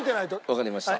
わかりました。